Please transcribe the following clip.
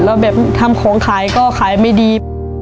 แล้วแบบทำของขายก็ขายไม่ดี